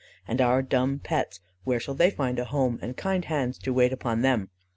And our dumb pets, where shall they find a home, and kind hands to wait upon them?